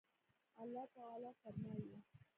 الله تعالى فرمايي